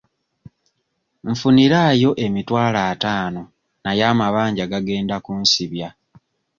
Nfuniraayo emitwalo ataano naye amabanja gagenda kunsibya.